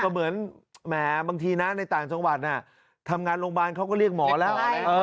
เหมือนแหมบางทีนะในต่างจังหวัดทำงานโรงพยาบาลเขาก็เรียกหมอแล้ว